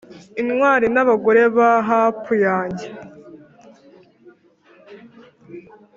intwali n'abagore ba hapu yanjye